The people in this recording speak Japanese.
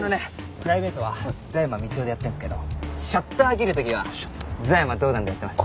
プライベートは座山道男でやってるんですけどシャッター切る時は座山ドーダンでやってます。